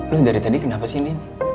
lo dari tadi kenapa sih nin